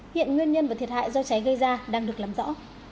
hiện nguyên nhân và thiệt hại do cháy gây ra đang được làm rõ